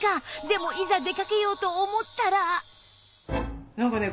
でもいざ出かけようと思ったらなんかね